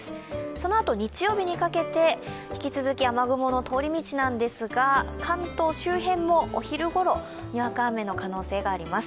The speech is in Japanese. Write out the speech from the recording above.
そのあと日曜日にかけて引き続き雨雲の通り道なんですが、関東周辺もお昼ごろにわか雨の可能性があります。